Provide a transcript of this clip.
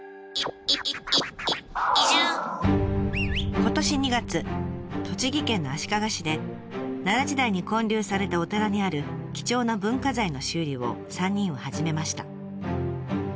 今年２月栃木県の足利市で奈良時代に建立されたお寺にある貴重な文化財の修理を３人は始めました。